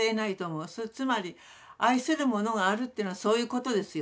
つまり愛する者があるというのはそういうことですよね。